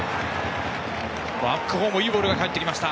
バックホームいいボールが返ってきた。